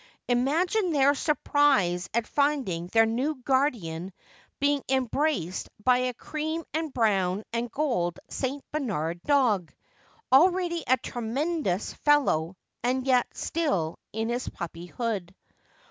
Imagine their surprise at finding their new guardian being embraced by a cream and brown and gold St. Bernard dog, already a tremendous fellow and yet still in his puppyhood.